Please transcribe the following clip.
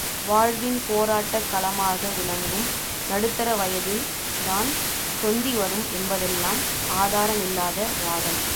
வாழ்வின் போராட்டக் களமாக விளங்கும் நடுத்தர வயதில் தான் தொந்தி வரும் என்பதெல்லாம் ஆதாரமில்லாத வாதம்.